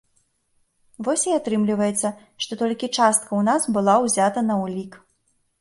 Вось і атрымліваецца, што толькі частка ў нас была ўзята на ўлік.